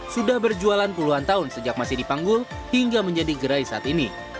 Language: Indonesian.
sudah berjualan puluhan tahun sejak masih dipanggul hingga menjadi gerai saat ini